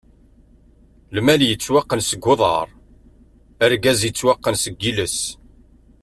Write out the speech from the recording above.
Lmal yettwaqqan seg uḍaṛ, argaz yettwaqqan seg iles!